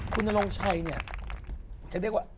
คุณนโรงชัยเนี่ยจะเรียกว่า